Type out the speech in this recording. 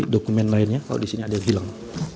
dokumen lainnya kalau disini ada yang bilang